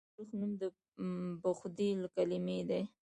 د بلخ نوم د بخدي له کلمې دی